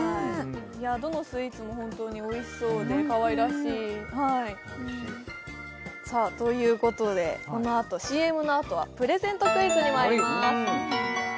いやどのスイーツも本当においしそうでかわいらしいさあということでこのあとＣＭのあとはプレゼントクイズにまいります